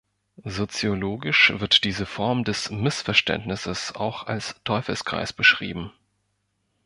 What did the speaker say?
Soziologisch wird diese Form des Missverständnisses auch als Teufelskreis beschrieben.